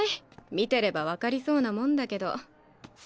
見てれば分かりそうなもんだけど。